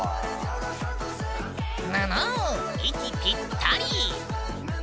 ぬぬ息ぴったり！